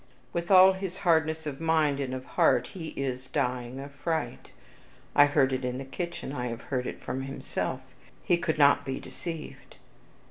"With all his hardness of mind, and of heart, he is dying of a fright. I heard it in the kitchen, I have heard it from himself, he could not be deceived.